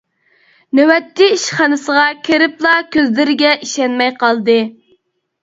نۆۋەتچى ئىشخانىسىغا كىرىپلا كۆزلىرىگە ئىشەنمەي قالدى.